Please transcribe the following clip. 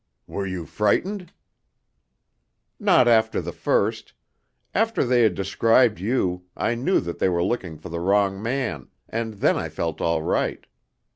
"Were you frightened?" "Not after the first. After they had described you, I knew that they were looking for the wrong man, and then I felt all right.